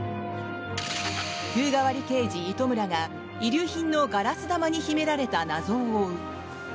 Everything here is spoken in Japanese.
風変わり刑事・糸村が遺留品のガラス玉に秘められた謎を追う。